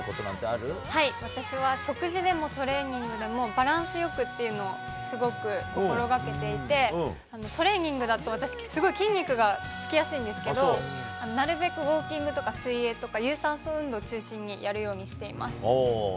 あ私は食事でもトレーニングでも、バランスよくっていうのを、すごく心がけていて、トレーニングだと私、すごい筋肉がつきやすいんですけど、なるべくウオーキングとか水泳とか、有酸素運動を中心にやるようにしています。